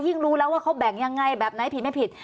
ยิ่งรู้แล้วว่าเขาแบ่งอย่างไรแบบไหนผิดหรือไม่ผิด